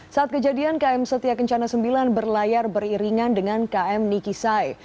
saat kejadian km setia kencana sembilan berlayar beriringan dengan km nikisai